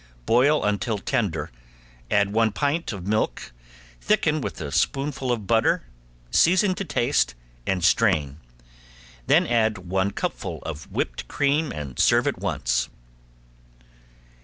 Boil until tender, add one pint of milk, thicken with a spoonful of butter, season to taste, and strain. Then add one cupful of whipped cream and serve at once.